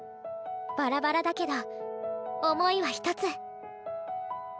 バラバラだけど想いは一つ。